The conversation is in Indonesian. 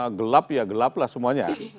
kalau gelap ya gelap lah semuanya